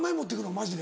マジで。